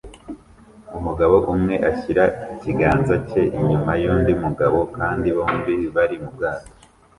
Umugabo umwe ashyira ikiganza cye inyuma yundi mugabo kandi bombi bari mubwato